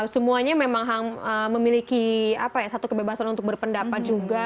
semuanya memang memiliki satu kebebasan untuk berpendapat juga